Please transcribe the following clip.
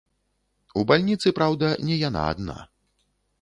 У бальніцы, праўда, не яна адна.